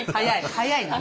早いな。